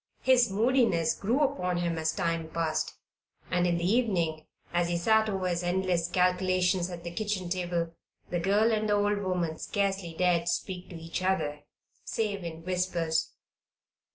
His moodiness grew upon him as time passed. And in the evening, as he sat over his endless calculations at the kitchen table, the girl and the old woman scarcely dared speak to each other save in whispers.